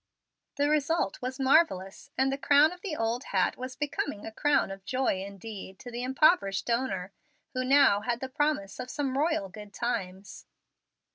The result was marvellous, and the crown of the old hat was becoming a crown of joy indeed to the impoverished owner, who now had the promise of some royal good times.